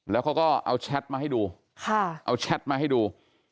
แล้วเขาก็เอาแชทมาให้ดูเอาแชทมาให้ดู